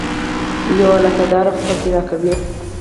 یوه علاقه داري خو به راکوې.